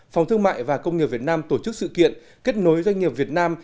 phòng thương mại và công nghiệp việt nam tổ chức sự kiện kết nối doanh nghiệp việt nam